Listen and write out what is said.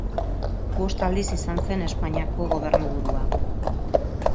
Bost aldiz izan zen Espainiako gobernuburua.